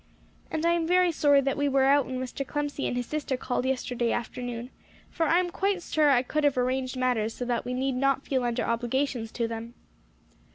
"And I am very sorry that we were out when Mr. Clemcy and his sister called yesterday afternoon, for I am quite sure I could have arranged matters so that we need not feel under obligations to them."